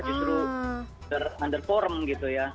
justru under form gitu ya